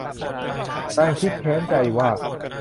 นางคิดแค้นใจว่า